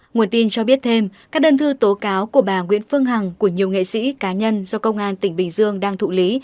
nguồn tin cho biết thêm các đơn thư tố cáo của bà nguyễn phương hằng của nhiều nghệ sĩ cá nhân do công an tỉnh bình dương đang thụ lý